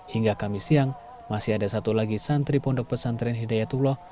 hingga kamis siang masih ada satu lagi santri pondok pesantren hidayatullah